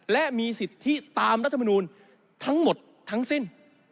และมีสิทธิตามรัฐมนูลทั้งหมดทั้งสิ้น